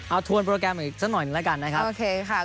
เอาทวนโปรแกรมอีกสักหน่อยหนึ่งแล้วกันนะครับโอเคค่ะ